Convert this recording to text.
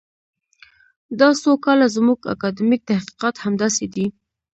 دا څو کاله زموږ اکاډمیک تحقیقات همداسې دي.